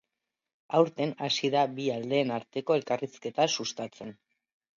Aurten hasi da bi aldeen arteko elkarrizketa sustatzen.